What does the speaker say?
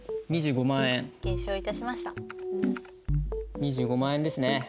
２５万円ですね。